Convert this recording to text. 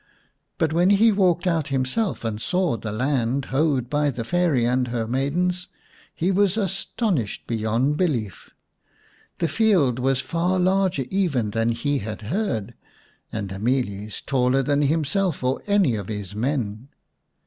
But when he walked out himself and saw the land hoed by the Fairy and her maidens, he was astonished beyond belief ; the field was far larger even than he had heard, and the mealies taller than himself or any of his men.